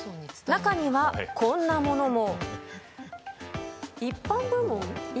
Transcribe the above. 中にはこんなものも。